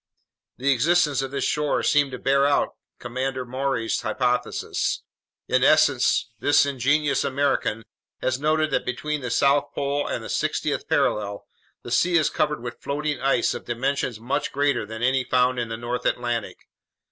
The existence of this shore seemed to bear out Commander Maury's hypotheses. In essence, this ingenious American has noted that between the South Pole and the 60th parallel, the sea is covered with floating ice of dimensions much greater than any found in the north Atlantic.